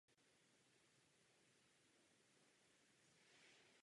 Nakonec si ale kvůli nedostatku času musel vybrat.